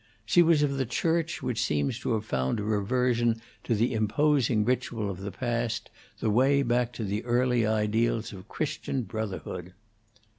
She was of the church which seems to have found a reversion to the imposing ritual of the past the way back to the early ideals of Christian brotherhood.